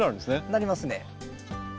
なりますね。